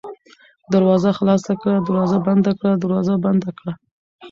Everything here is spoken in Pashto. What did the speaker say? دروازه خلاصه کړه ، دروازه بنده کړه ، دروازه بنده کړه